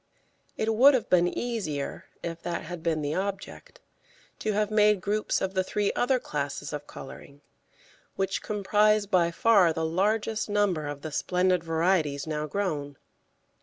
It would have been easier, if that had been the object, to have made groups of the three other classes of colouring, which comprise by far the largest number of the splendid varieties now grown.